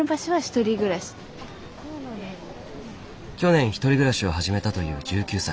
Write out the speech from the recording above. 去年１人暮らしを始めたという１９歳。